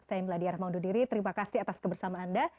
saya melady arhamandu diri terima kasih atas kebersama anda